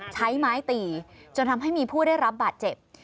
ใช้ไม้ตีจนทำให้มีผู้ได้รับบาดเจ็บ